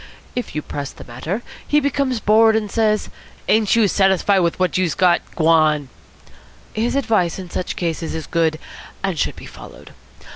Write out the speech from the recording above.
If you press the matter, he becomes bored, and says, 'Ain't youse satisfied with what youse got? G'wan!' His advice in such cases is good, and should be followed.